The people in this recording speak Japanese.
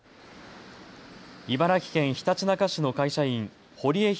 茨城県ひたちなか市の会社員、堀江弘